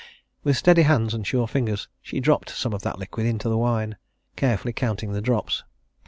With steady hands and sure fingers, she dropped some of that liquid into the wine, carefully counting the drops.